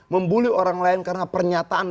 membuli orang lain karena pernyataan